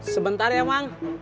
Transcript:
sebentar ya mang